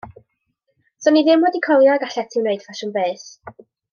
'Swn i ddim wedi coelio y gallet ti wneud ffasiwn beth.